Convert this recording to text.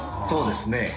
そうですね